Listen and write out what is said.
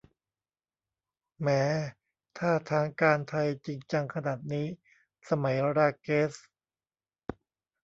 แหม ถ้าทางการไทยจริงจังขนาดนี้ สมัย ราเกซ